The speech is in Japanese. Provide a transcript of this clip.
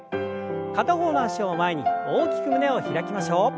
片方の脚を前に大きく胸を開きましょう。